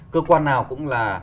cơ quan nào cũng là